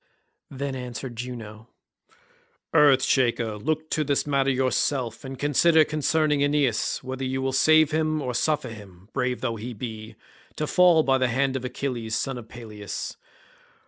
Then answered Juno, "Earth shaker, look to this matter yourself, and consider concerning Aeneas, whether you will save him, or suffer him, brave though he be, to fall by the hand of Achilles son of Peleus.